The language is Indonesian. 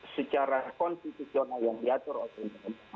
secara konstitusional yang diatur oleh pemerintah